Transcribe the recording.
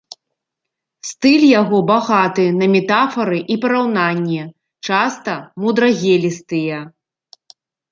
Стыль яго багаты на метафары і параўнанні, часта мудрагелістыя.